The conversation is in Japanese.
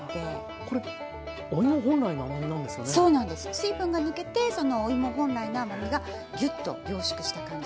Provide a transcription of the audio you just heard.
水分が抜けてそのお芋本来の甘みがギュッと凝縮した感じ。